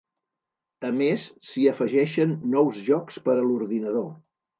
A més s'hi afegeixen nous jocs per a l'ordinador.